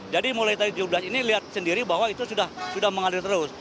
jadi mulai tadi tujuh belas ini lihat sendiri bahwa itu sudah mengalir terus